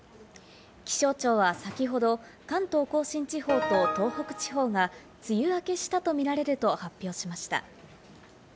気象庁は先ほど、関東甲信地方と東北地方が梅雨明けしたとみられると発表しました。